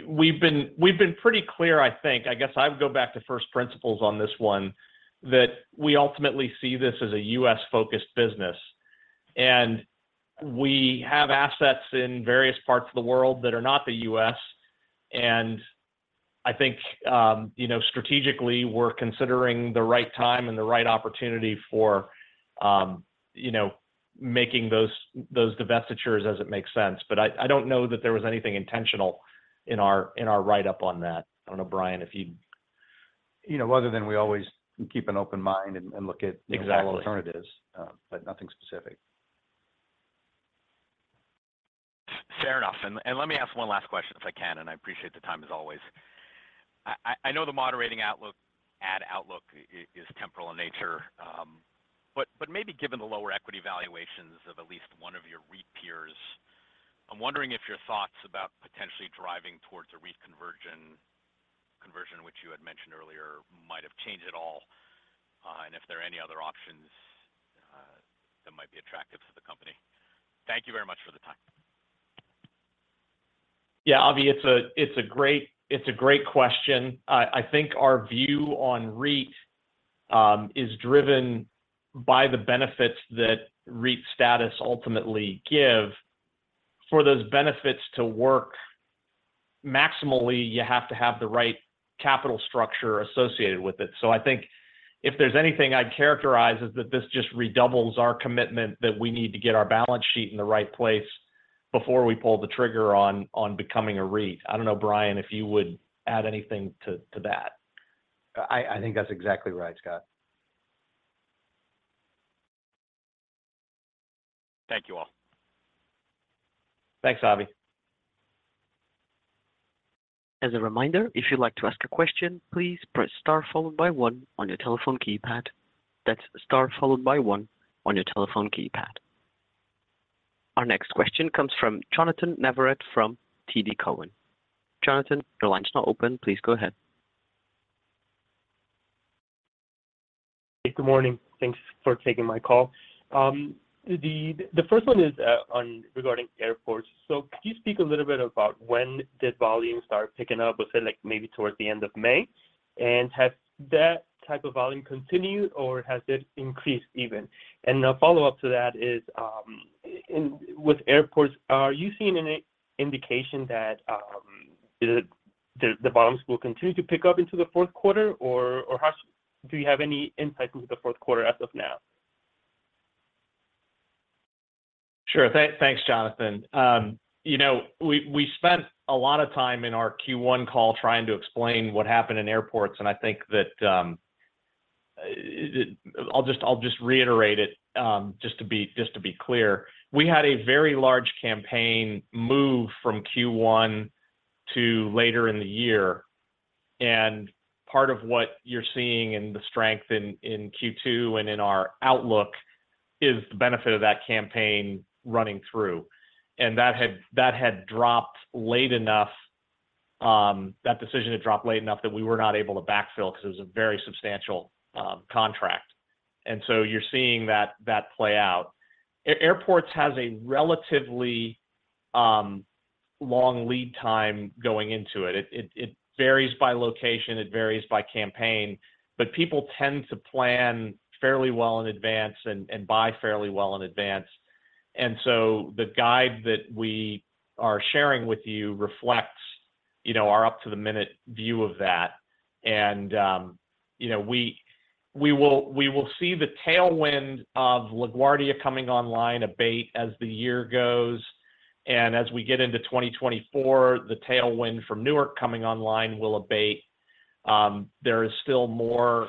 We've been, we've been pretty clear, I think. I guess I would go back to first principles on this one, that we ultimately see this as a U.S.-focused business. We have assets in various parts of the world that are not the U.S., and I think, you know, strategically, we're considering the right time and the right opportunity for, you know, making those, those divestitures as it makes sense. I, I don't know that there was anything intentional in our, in our write-up on that. I don't know, Brian, if you... You know, other than we always keep an open mind and look at-. Exactly... all alternatives, but nothing specific. Fair enough. Let me ask one last question, if I can, and I appreciate the time as always. I know the moderating outlook, ad outlook is temporal in nature, but maybe given the lower equity valuations of at least one of your REIT peers, I'm wondering if your thoughts about potentially driving towards a REIT conversion... you had mentioned earlier might have changed at all, and if there are any other options that might be attractive to the company. Thank you very much for the time. Yeah, Avi, it's a, it's a great, it's a great question. I, I think our view on REIT is driven by the benefits that REIT status ultimately give. For those benefits to work maximally, you have to have the right capital structure associated with it. I think if there's anything I'd characterize is that this just redoubles our commitment that we need to get our balance sheet in the right place before we pull the trigger on, on becoming a REIT. I don't know, Brian, if you would add anything to, to that. I, I think that's exactly right, Scott. Thank you all. Thanks, Avi. As a reminder, if you'd like to ask a question, please press Star, followed by one on your telephone keypad. That's Star, followed by one on your telephone keypad. Our next question comes from Jonathan Navarrete from TD Cowen. Jonnathan, your line is now open. Please go ahead. Hey, good morning. Thanks for taking my call. The first one is on regarding airports. Could you speak a little bit about when did volume start picking up? Was it, like, maybe towards the end of May? Has that type of volume continued or has it increased even? A follow-up to that is with airports, are you seeing any indication that the volumes will continue to pick up into the Q4, or how do you have any insight into the Q4 as of now? Sure. Thank, thanks, Jonathan. You know, we, we spent a lot of time in our Q1 call trying to explain what happened in airports, and I think that, I'll just reiterate it, just to be clear. We had a very large campaign move from Q1 to later in the year. Part of what you're seeing in the strength in Q2 and in our outlook is the benefit of that campaign running through. That had dropped late enough, that decision had dropped late enough that we were not able to backfill because it was a very substantial contract. You're seeing that play out. Airports has a relatively long lead time going into it. It, it, it varies by location, it varies by campaign, but people tend to plan fairly well in advance and, and buy fairly well in advance. The guide that we are sharing with you reflects, you know, our up-to-the-minute view of that. You know, we, we will, we will see the tailwind of LaGuardia coming online abate as the year goes, and as we get into 2024, the tailwind from Newark coming online will abate. There is still more,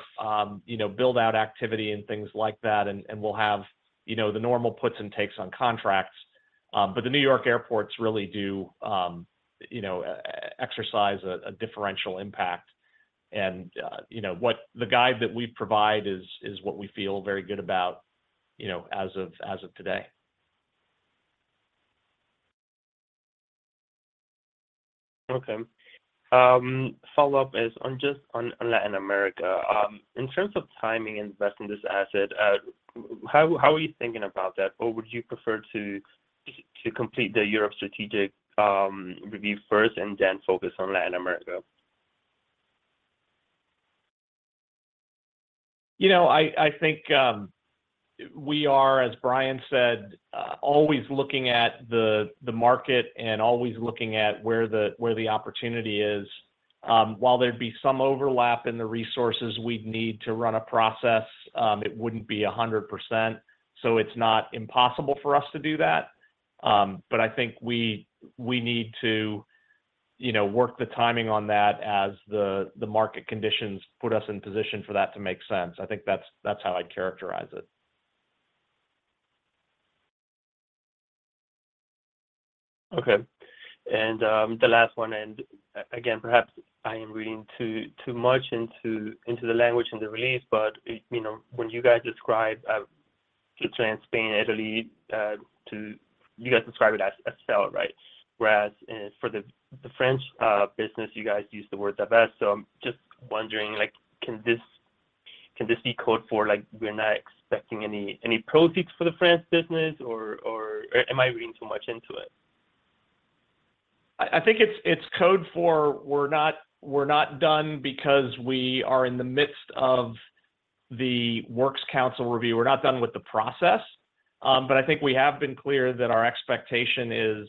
you know, build-out activity and things like that, and, and we'll have, you know, the normal puts and takes on contracts. The New York airports really do, you know, exercise a, a differential impact. You know, The guide that we provide is, is what we feel very good about, you know, as of, as of today. Okay. Follow-up is on just on Latin America. In terms of timing and investing in this asset, how, how are you thinking about that? Or would you prefer to, to complete the Europe strategic review first and then focus on Latin America? You know, I, I think, we are, as Brian said, always looking at the, the market and always looking at where the, where the opportunity is. While there'd be some overlap in the resources we'd need to run a process, it wouldn't be 100%, so it's not impossible for us to do that. I think we, we need to, you know, work the timing on that as the, the market conditions put us in position for that to make sense. I think that's, that's how I'd characterize it. Okay. the last one, again, perhaps I am reading too, too much into, into the language in the release, but, you know, when you guys describe, France, Spain, Italy, you guys describe it as, as sell, right? Whereas for the, the French business, you guys use the word divest. I'm just wondering, like, can this, can this be code for, like, we're not expecting any, any proceeds for the France business, or, or am I reading too much into it? I, I think it's, it's code for we're not, we're not done because we are in the midst of the Works Council review. We're not done with the process. I think we have been clear that our expectation is,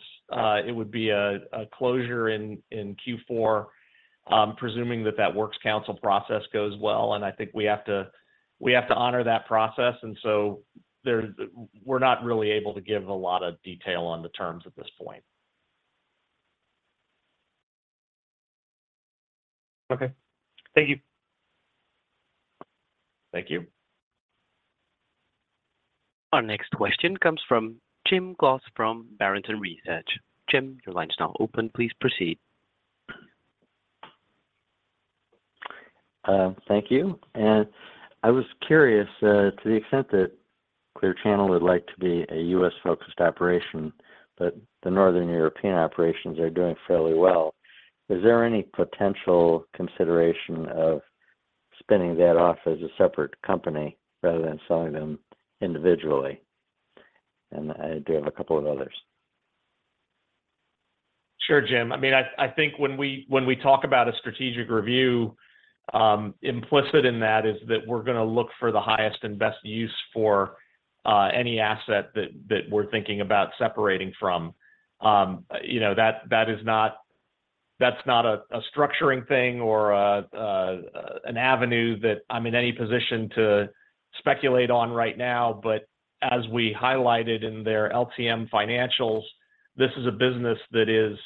it would be a, a closure in, in Q4, presuming that that Works Council process goes well. I think we have to, we have to honor that process, and so there's we're not really able to give a lot of detail on the terms at this point. Okay. Thank you. Thank you. Our next question comes from Jim Goss from Barrington Research. Jim, your line is now open. Please proceed. Thank you. I was curious to the extent that- Clear Channel would like to be a U.S.-focused operation, but the Northern European operations are doing fairly well. Is there any potential consideration of spinning that off as a separate company, rather than selling them individually? I do have a couple of others. Sure, Jim. I mean, I, I think when we, when we talk about a strategic review, implicit in that is that we're gonna look for the highest and best use for any asset that, that we're thinking about separating from. You know, that, that's not a, a structuring thing or a, a, a, an avenue that I'm in any position to speculate on right now. As we highlighted in their LTM financials, this is a business that is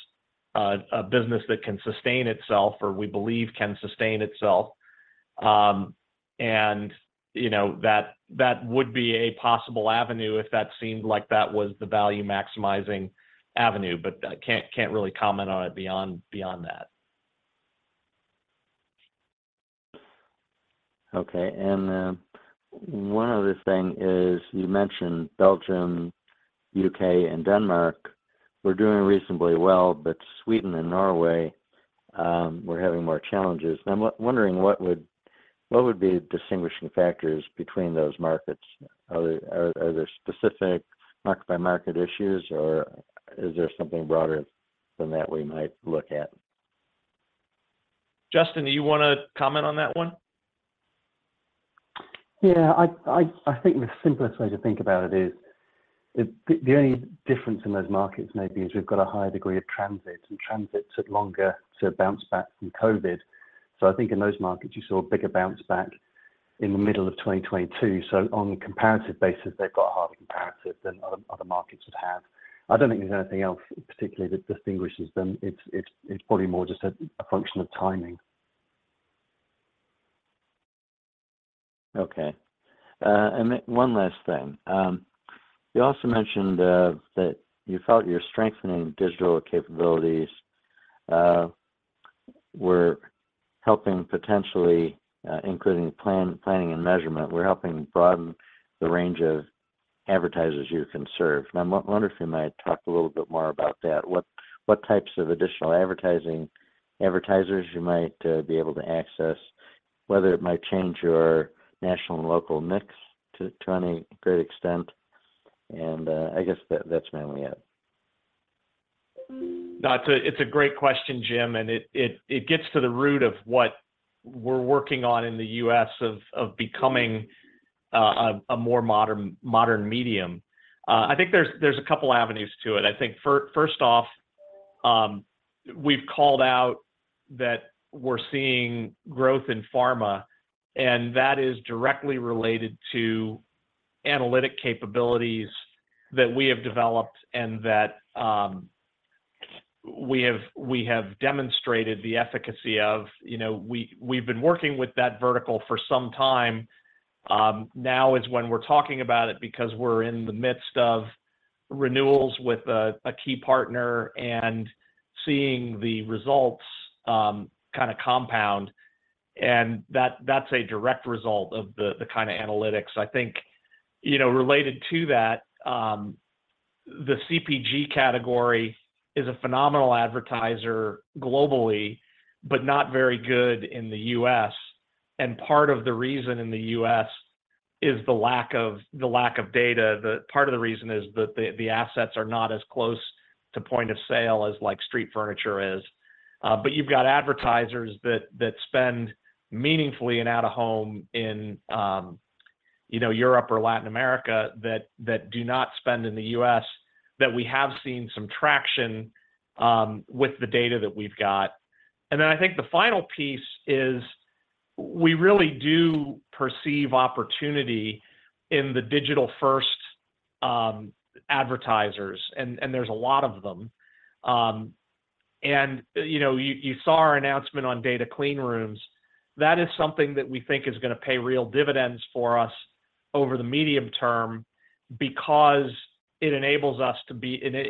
a business that can sustain itself, or we believe can sustain itself. You know, that, that would be a possible avenue if that seemed like that was the value-maximizing avenue, but I can't, can't really comment on it beyond, beyond that. Okay, one other thing is, you mentioned Belgium, UK, and Denmark were doing reasonably well, but Sweden and Norway were having more challenges. I'm w- wondering: what would, what would be distinguishing factors between those markets? Are there, are, are there specific market-by-market issues, or is there something broader than that we might look at? Justin, do you want to comment on that one? Yeah, I, I, I think the simplest way to think about it is, the, the only difference in those markets may be is we've got a higher degree of transit, and transit took longer to bounce back from COVID. I think in those markets, you saw a bigger bounce back in the middle of 2022. On a comparative basis, they've got harder comparative than other, other markets would have. I don't think there's anything else particularly that distinguishes them. It's, it's, it's probably more just a, a function of timing. Okay. One last thing. You also mentioned that you felt your strengthening digital capabilities were helping potentially, including planning and measurement, were helping broaden the range of advertisers you can serve. I wonder if you might talk a little bit more about that. What, what types of additional advertisers you might be able to access, whether it might change your national and local mix to, to any great extent, and I guess that's mainly it. No, it's a, it's a great question, Jim, and it, it, it gets to the root of what we're working on in the U.S. of, of becoming, a, a more modern, modern medium. I think there's, there's a couple avenues to it. I think first off, we've called out that we're seeing growth in pharma, and that is directly related to analytic capabilities that we have developed and that, we have, we have demonstrated the efficacy of. You know, we, we've been working with that vertical for some time. Now is when we're talking about it because we're in the midst of renewals with a, a key partner and seeing the results, kind of compound, and that- that's a direct result of the, the kind of analytics. I think, you know, related to that, the CPG category is a phenomenal advertiser globally, but not very good in the U.S., and part of the reason in the U.S. is the lack of, the lack of data. Part of the reason is that the, the assets are not as close to point of sale as, like, street furniture is. But you've got advertisers that, that spend meaningfully in out-of-home in, you know, Europe or Latin America, that, that do not spend in the U.S., that we have seen some traction with the data that we've got. I think the final piece is we really do perceive opportunity in the digital-first advertisers, and, and there's a lot of them. You know, you, you saw our announcement on data clean rooms. That is something that we think is gonna pay real dividends for us over the medium term because it enables us to be in, it,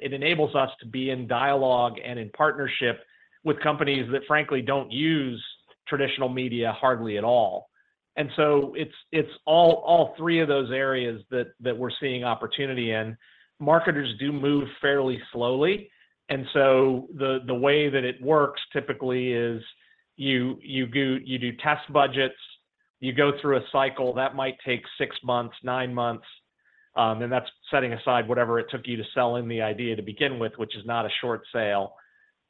it enables us to be in dialogue and in partnership with companies that frankly don't use traditional media hardly at all. So it's, it's all, all three of those areas that, that we're seeing opportunity in. Marketers do move fairly slowly, and so the, the way that it works typically is you, you do test budgets. You go through a cycle that might take 6 months, 9 months, and that's setting aside whatever it took you to sell in the idea to begin with, which is not a short sale.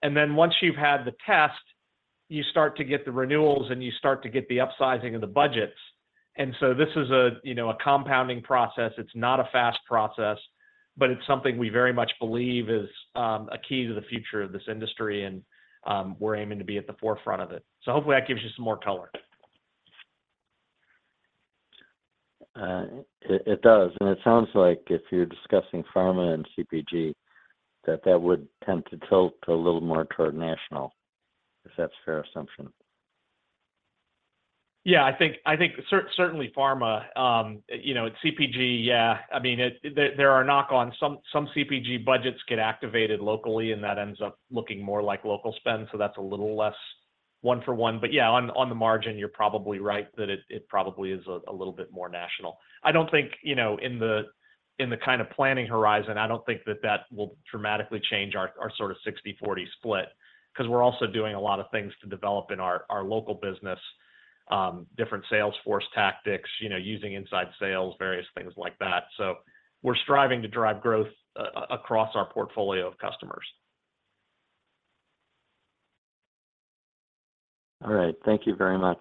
Then once you've had the test, you start to get the renewals, and you start to get the upsizing of the budgets. This is a, you know, a compounding process. It's not a fast process, but it's something we very much believe is a key to the future of this industry, and we're aiming to be at the forefront of it. Hopefully that gives you some more color. It, it does, and it sounds like if you're discussing pharma and CPG, that that would tend to tilt a little more toward national, if that's a fair assumption. Yeah, I think, I think certainly pharma. You know, with CPG, yeah. I mean, there, there are knock on some CPG budgets get activated locally, and that ends up looking more like local spend, so that's a little less one for one. But yeah, on, on the margin, you're probably right that it, it probably is a, a little bit more national. I don't think, you know, in the, in the kind of planning horizon, I don't think that that will dramatically change our, our sort of 60/40 split, 'cause we're also doing a lot of things to develop in our, our local business, different sales force tactics, you know, using inside sales, various things like that. So we're striving to drive growth across our portfolio of customers. All right. Thank you very much.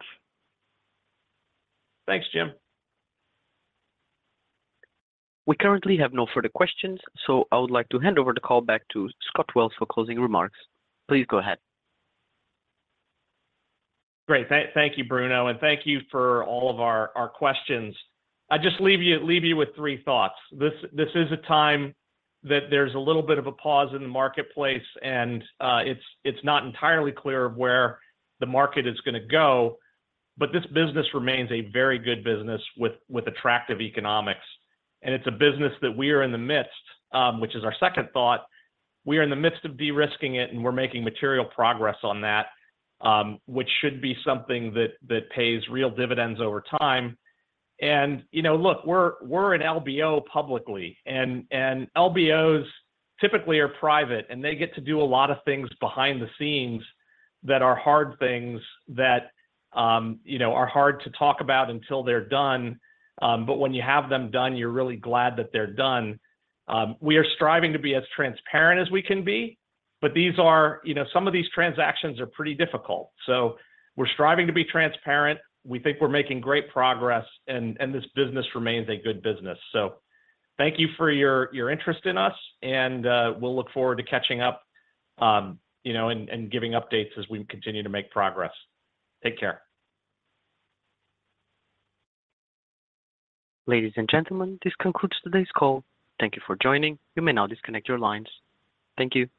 Thanks, Jim. We currently have no further questions. I would like to hand over the call back to Scott Wells for closing remarks. Please go ahead. Great. Thank, thank you, Bruno, and thank you for all of our, our questions. I just leave you, leave you with three thoughts. This, this is a time that there's a little bit of a pause in the marketplace, and, it's, it's not entirely clear of where the market is gonna go, but this business remains a very good business with, with attractive economics. It's a business that we are in the midst, which is our second thought, we are in the midst of de-risking it, and we're making material progress on that, which should be something that, that pays real dividends over time. You know, look, we're, we're an LBO publicly, and, and LBOs typically are private, and they get to do a lot of things behind the scenes that are hard things that, you know, are hard to talk about until they're done. When you have them done, you're really glad that they're done. We are striving to be as transparent as we can be, but these are, you know, some of these transactions are pretty difficult. We're striving to be transparent. We think we're making great progress, and, and this business remains a good business. Thank you for your, your interest in us, and we'll look forward to catching up, you know, and, and giving updates as we continue to make progress. Take care. Ladies and gentlemen, this concludes today's call. Thank you for joining. You may now disconnect your lines. Thank you.